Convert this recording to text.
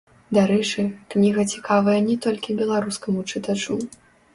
Дарэчы, кніга цікавая не толькі беларускаму чытачу.